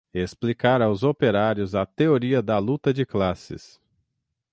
explicar aos operários a teoria da luta de classes